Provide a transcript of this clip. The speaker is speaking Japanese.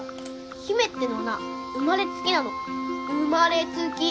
姫ってのはな生まれつきなの生まれつき。